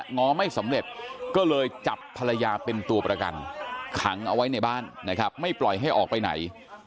ง้อไม่สำเร็จก็เลยจับภรรยาเป็นตัวประกันขังเอาไว้ในบ้านนะครับไม่ปล่อยให้ออกไปไหน